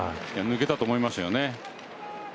抜けたと思いましたよね。